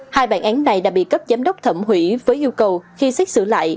hai bản án này đã bị cấp giám đốc thẩm hủy với yêu cầu khi xét xử lại